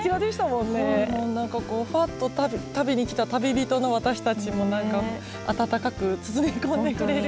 何かこうふわっと旅に来た旅人の私たちも温かく包み込んでくれるような。